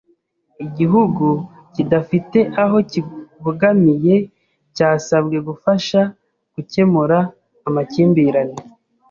Igihugu kidafite aho kibogamiye cyasabwe gufasha gukemura amakimbirane.